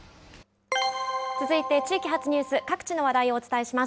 続いて地域発ニュース、各地の話題をお伝えします。